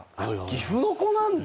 岐阜の子なんだ。